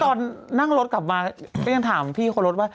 ตอนนั่งรถกลับมาก็ยังถามพี่คนรถว่า